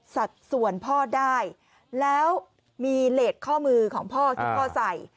สัดส่วนพ่อได้แล้วมีเลสข้อมือของพ่อที่พ่อใส่